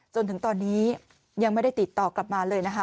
จนถึงตอนนี้ยังไม่ได้ติดต่อกลับมาเลยนะคะ